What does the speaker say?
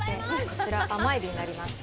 こちら、甘エビになります。